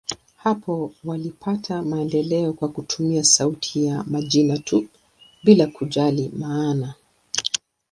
Hapo walipata maendeleo kwa kutumia sauti ya majina tu, bila kujali maana.